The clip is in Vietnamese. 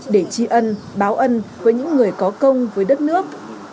để tri ân báo ân với những người có công với đất nước